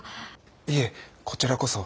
いいえこちらこそ。